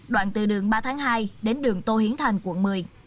đoạn từ đường ba tháng hai đến đường tô hiến thành quận một mươi